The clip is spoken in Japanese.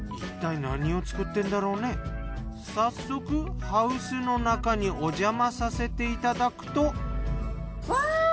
早速ハウスの中におじゃまさせていただくと。わ！